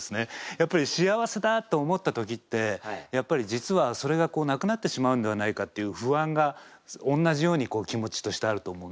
やっぱり幸せだと思った時って実はそれがなくなってしまうんではないかっていう不安がおんなじように気持ちとしてあると思うんですよね。